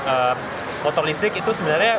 eee motor listrik itu sebenarnya